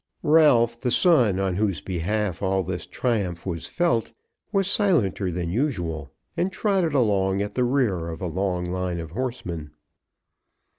Ralph the son, on whose behalf all this triumph was felt, was silenter than usual, and trotted along at the rear of the long line of horsemen.